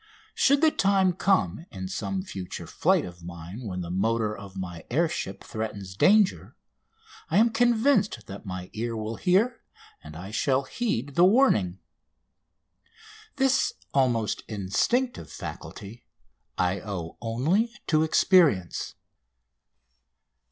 Should the time come in some future flight of mine when the motor of my air ship threatens danger I am convinced that my ear will hear, and I shall heed, the warning. This almost instinctive faculty I owe only to experience.